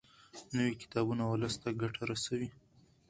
نوي کتابونه ولس ته ګټه رسوي.